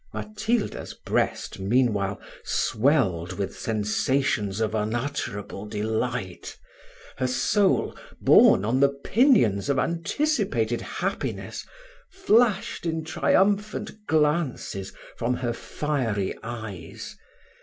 Matilds's breast meanwhile swelled with sensations of unutterable delight: her soul, borne on the pinions of anticipated happiness, flashed in triumphant glances from her fiery eyes.